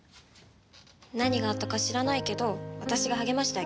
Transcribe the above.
何があったか知らないけど私が励ましてあげる。